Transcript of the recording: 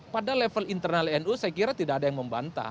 pada level internal nu saya kira tidak ada yang membantah